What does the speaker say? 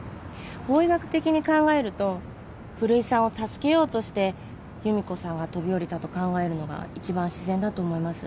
法医学的に考えると古井さんを助けようとして由美子さんが飛び降りたと考えるのが一番自然だと思います。